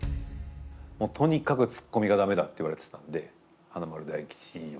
もうとにかくツッコミが駄目だって言われてたんで華丸・大吉は。